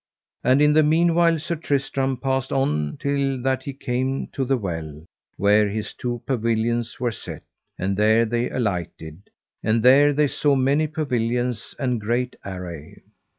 And in the meanwhile Sir Tristram passed on till that he came to the well where his two pavilions were set; and there they alighted, and there they saw many pavilions and great array.